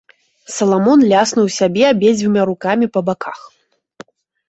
Саламон ляснуў сябе абедзвюма рукамі па баках.